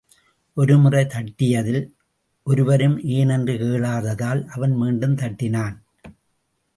ஒரு முறை தட்டியதில் ஒருவரும் ஏனென்று கேளாததால், அவன் மீண்டும் தட்டினான்.